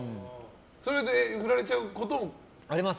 それで振られちゃうことも？あります。